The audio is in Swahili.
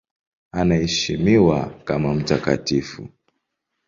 Anaheshimiwa kama mtakatifu.